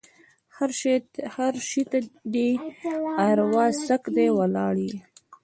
هر شي ته دې اروا څک دی؛ ولاړ يې.